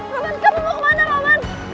roman kamu mau kemana roman